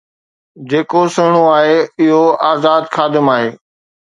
جيڪو سهڻو آهي اهو آزاد خادم آهي